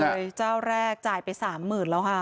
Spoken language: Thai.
เจ้าแรกเลยเจ้าแรกจ่ายไปสามหมื่นแล้วค่ะ